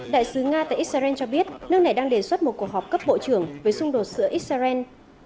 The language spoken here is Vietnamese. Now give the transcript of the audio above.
đại sứ nga tại israel cho biết nước này đang đề xuất một cuộc họp cấp bộ trưởng với xung đột giữa israel